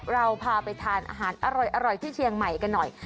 เราพาไปทานอาหารอร่อยที่เชียงใหม่กันหน่อย